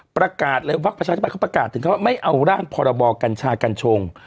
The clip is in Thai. ประกาศเลยวักประชาธิบัติเขาประกาศถึงเขาว่าไม่เอาร่างพรบกัญชากัญชง